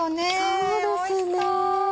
そうですね。